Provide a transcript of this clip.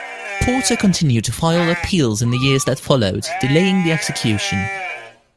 Porter continued to file appeals in the years that followed, delaying the execution.